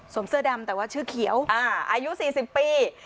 เสื้อดำแต่ว่าชื่อเขียวอายุ๔๐ปี